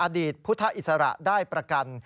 อดีตพุทธอิสระได้ประกัน